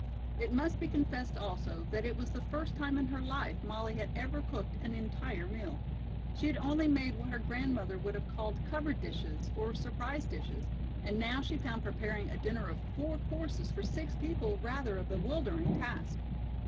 It must be confessed also that it was the first time in her life Molly had ever cooked an entire meal. She had only made what her grandmother would have called "covered dishes," or surprise dishes, and she now found preparing a dinner of four courses for six people rather a bewildering task.